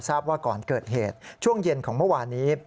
ทราบว่าก่อนเกิดเหตุช่วงเย็นของเมื่อวานนี้